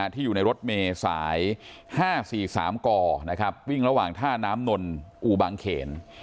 ที่อยู่ในรถเมย์สาย๕๔๓กวิ่งระหว่างท่าน้ำนนอูบางเขน